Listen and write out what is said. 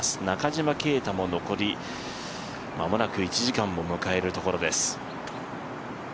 中島啓太も残り間もなく１時間も迎えるところです。